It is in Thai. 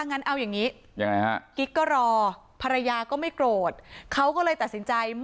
งั้นเอาอย่างนี้กิ๊กก็รอภรรยาก็ไม่โกรธเขาก็เลยตัดสินใจมอบตัวกับ